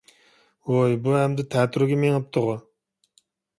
ۋوي بۇ ئەمدى تەتۈرىگە مېڭىپتىغۇ؟